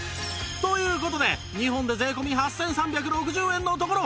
という事で２本で税込８３６０円のところ